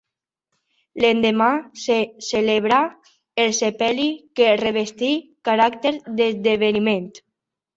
L'endemà se celebrà el sepeli que revestí caràcters d'esdeveniment.